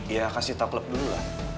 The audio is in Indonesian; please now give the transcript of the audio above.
ya kasih toplet dulu lah